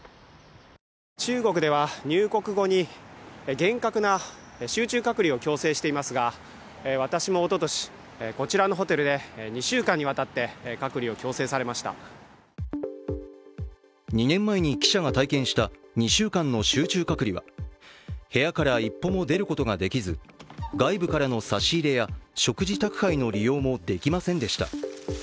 中国では入国後に厳格な集中隔離を強制していますが私もおととし、こちらのホテルで２週間にわたって２年前に記者が体験した２週間の集中隔離は、部屋から一歩も出ることができず、外部からの差し入れや食事宅配の利用もできませんでした。